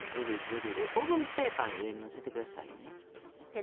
でオーブンペーパーの上にのせてくださいね。